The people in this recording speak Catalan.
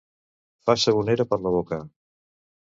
Fer sabonera per la boca.